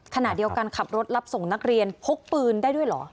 ขณะเดียวกันขับรถรับส่งนักเรียนพกปืนได้ด้วยเหรอ